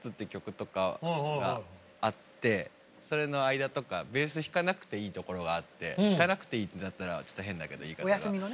それの間とかベース弾かなくていいところがあって弾かなくていいってなったらちょっと変だけど言い方が。